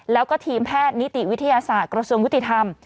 แล้วก็ทีมแพทย์นิติวิทยาศาสตร์กระทรวงยุติธรรม